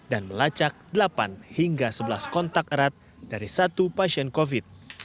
dan melacak delapan hingga sebelas kontak erat dari satu pasien covid sembilan belas